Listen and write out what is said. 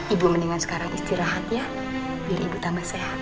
ibu mendingan sekarang istirahat ya biar ibu tambah sehat